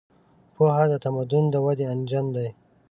پوهه د تمدن د ودې انجن دی.